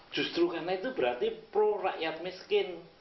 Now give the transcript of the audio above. justru karena itu berarti pro rakyat miskin